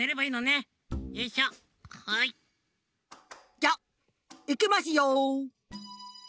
じゃいきますよ。